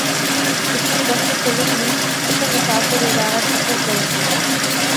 اتنی بسیں چلیں گی، اتنے مسافر روزانہ سفر کریں گے۔